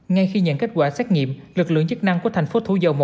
ngay khi nhận kết quả xét nghiệm lực lượng chức năng của thành phố thủ dầu một